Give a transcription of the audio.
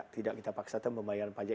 tidak kita paksakan membayar pajak